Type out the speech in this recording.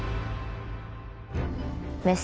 メス。